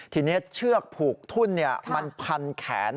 ทีนี้เชือกผูกทุ่นมันพันแขน